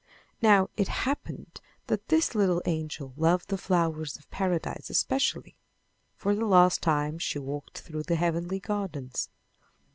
Now it happened that this little angel loved the flowers of Paradise especially. For the last time she walked through the heavenly gardens.